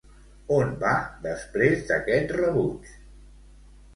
On va després d'aquest rebuig?